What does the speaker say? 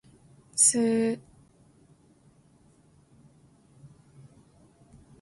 スー